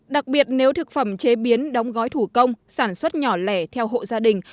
đặc biệt nếu thực phẩm chế biến đóng gói thủ công sản xuất nhỏ lẻ theo hộ gia đình